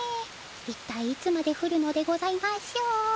いったいいつまでふるのでございましょう。